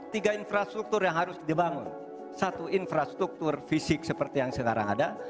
tiga infrastruktur yang harus dibangun satu infrastruktur fisik seperti yang sekarang ada